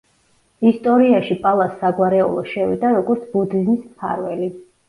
ისტორიაში პალას საგვარეულო შევიდა როგორც ბუდიზმის მფარველი.